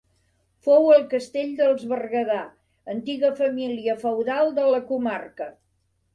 Fou el castell dels Berguedà, antiga família feudal de la comarca.